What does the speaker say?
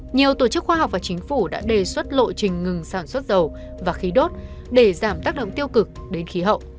nhiều tổ chức khoa học và chính phủ đã đề xuất lộ trình ngừng sản xuất dầu và khí đốt để giảm tác động tiêu cực đến khí hậu